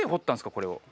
これを。